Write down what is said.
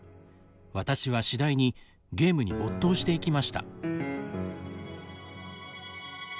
私は次第にゲームに没頭していきました。